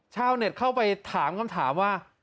ชาวเน็ตเข้าไปถามคำถามว่า